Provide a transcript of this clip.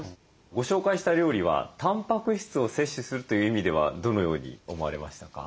ご紹介した料理はたんぱく質を摂取するという意味ではどのように思われましたか？